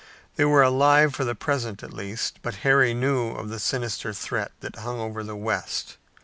They were alive for the present at least, but Harry knew of the sinister threat that hung over the west.